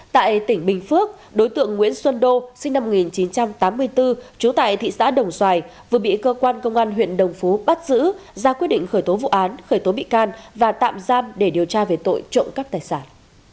tại tỉnh bình phước đối tượng nguyễn xuân đô sinh năm một nghìn chín trăm tám mươi bốn trú tại thị xã đồng xoài vừa bị cơ quan công an huyện đồng phú bắt giữ ra quyết định khởi tố vụ án khởi tố bị can và tạm giam để điều tra về tội trộm cắp tài sản